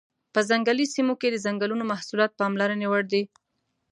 په ځنګلي سیمو کې د ځنګلونو محصولات پاملرنې وړ دي.